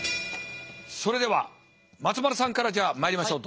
それでは松丸さんからじゃあまいりましょう。